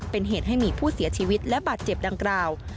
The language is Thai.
เป็นเหตุให้มีผู้เสียชีวิตและบาดเจ็บดังกล่าว